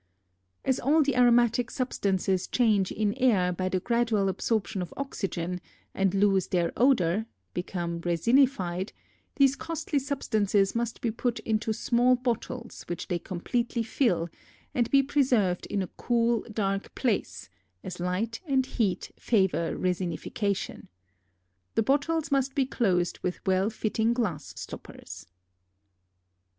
As all the aromatic substances change in air by the gradual absorption of oxygen, and lose their odor—become resinified—these costly substances must be put into small bottles which they completely fill, and be preserved in a cool dark place, as light and heat favor resinification. The bottles must be closed with well fitting glass stoppers.